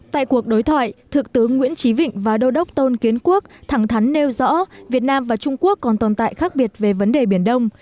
tại cuộc đối thoại thượng tướng nguyễn trí vịnh và đô đốc tôn kiến quốc thẳng thắn nêu rõ việt nam và trung quốc còn tồn tại khác biệt về vấn đề biển đông